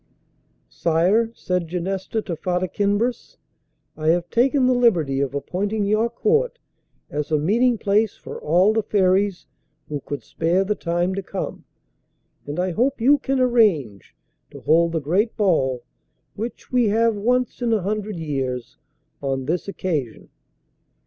'Sire,' said Genesta to Farda Kinbras, 'I have taken the liberty of appointing your Court as a meeting place for all the Fairies who could spare the time to come; and I hope you can arrange to hold the great ball, which we have once in a hundred years, on this occasion.